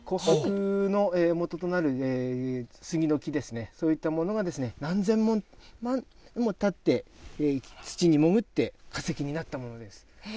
琥珀のもととなる木ですね、そういったものが何千万年もたって、土に潜って、化石になったものです。